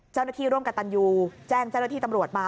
เจ้าหน้าที่ร่วมกับตันยูแจ้งเจ้าหน้าที่ตำรวจมา